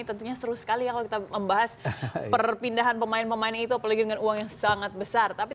tentunya seru sekali kalau kita membahas perpindahan pemain pemain itu apalagi dengan uang yang sangat besar